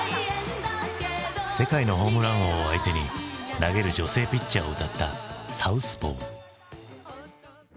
世界のホームラン王を相手に投げる女性ピッチャーを歌った「サウスポー」。